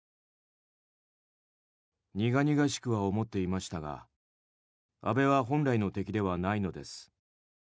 苦々しくは思っていましたが安倍は本来の敵ではないのです。